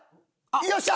よっしゃ！